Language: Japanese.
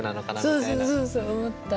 そうそうそうそう思った。